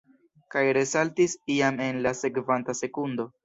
Kaj resaltis jam en la sekvanta sekundo.